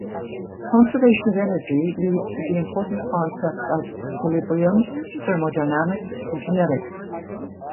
Conservation of energy leads to the important concepts of equilibrium, thermodynamics, and kinetics.